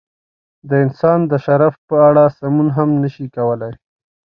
د انسان د شرف په اړه سوڼ هم نشي کولای.